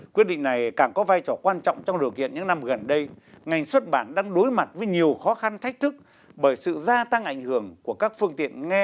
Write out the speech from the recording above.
quyết định này càng có vai trò quan trọng trong điều kiện những năm gần đây ngành xuất bản đang đối mặt với nhiều khó khăn thách thức bởi sự gia tăng ảnh hưởng của các phương tiện nghe